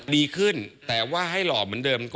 ดีขึ้นแต่ว่าให้หล่อเหมือนเดิม